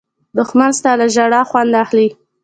دښمن ستا له ژړا خوند اخلي